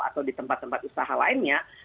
atau di tempat tempat usaha lainnya